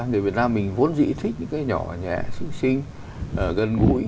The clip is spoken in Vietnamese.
người việt nam mình vốn dĩ thích những cái nhỏ nhẹ xinh xinh gần gũi